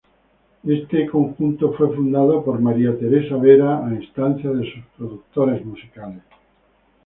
Este conjunto fue fundado por María Teresa Vera a instancia de sus productores musicales.